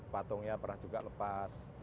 patungnya pernah juga lepas